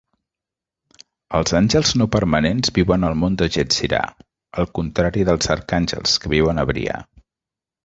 Els àngels no permanents viuen al món de Yetzirah, al contrari dels arcàngels, que viuen a Briah.